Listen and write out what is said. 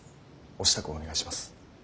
お支度をお願いします。